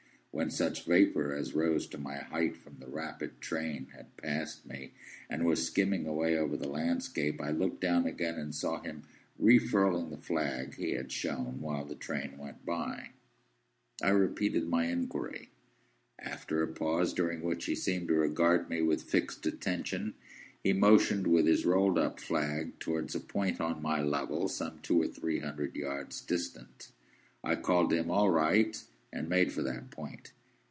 When such vapour as rose to my height from this rapid train had passed me, and was skimming away over the landscape, I looked down again, and saw him refurling the flag he had shown while the train went by. I repeated my inquiry. After a pause, during which he seemed to regard me with fixed attention, he motioned with his rolled up flag towards a point on my level, some two or three hundred yards distant. I called down to him, "All right!" and made for that point.